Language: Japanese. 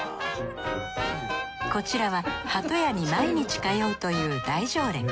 こちらはハトヤに毎日通うという大常連。